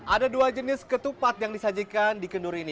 ada dua jenis ketupat yang disajikan di kendur ini